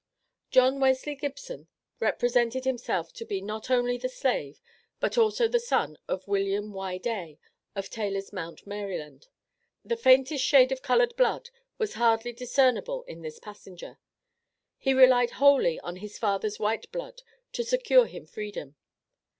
John Wesley Gibson represented himself to be not only the slave, but also the son of William Y. Day, of Taylor's Mount, Maryland. The faintest shade of colored blood was hardly discernible in this passenger. He relied wholly on his father's white blood to secure him freedom.